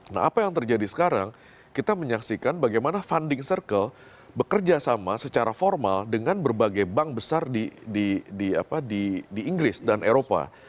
nah apa yang terjadi sekarang kita menyaksikan bagaimana funding circle bekerja sama secara formal dengan berbagai bank besar di inggris dan eropa